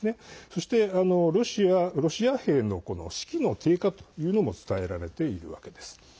そして、ロシア兵の士気の低下というのも伝えられているわけです。